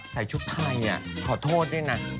ใส่ชุดไทยขอโทษด้วยนะ